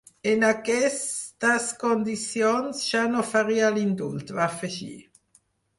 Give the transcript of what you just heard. “En aquestes condicions jo no faria l’indult”, va afegir.